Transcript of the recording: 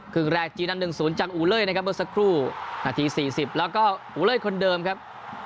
ครึ่งแรกจีนัน๑๐จากอูเล่นะครับเมื่อสักครู่นาที๔๐แล้วก็อูเล่คนเดิมครับ